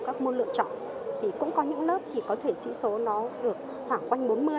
các môn lựa chọn thì cũng có những lớp thì có thể sĩ số nó được khoảng quanh bốn mươi